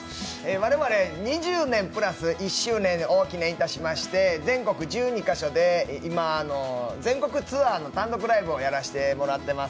我々２０年＋１周年を記念しまして全国１２カ所で今、全国ツアーの単独ライブをやらせてもらってます。